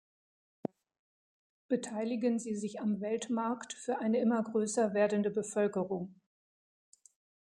Beteiligen Sie sich am Weltmarkt für eine immer größer werdende Bevölkerung.